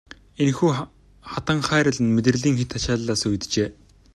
Энэхүү хатанхайрал нь мэдрэлийн хэт ачааллаас үүджээ.